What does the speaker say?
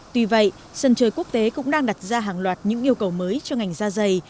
tuy vậy sân chơi quốc tế cũng đang đặt ra hàng loạt những yêu cầu mới cho ngành da dày